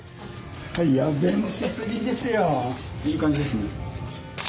いい感じですね。